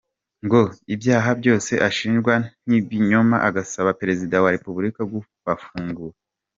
Ngo ibyaha byose ashinjwa n’ibinyoma agasaba Perezida wa Repubulika kubafungura.